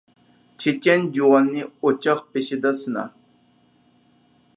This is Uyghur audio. چېچەن جۇۋاننى ئوچاق بېشىدا سىنا.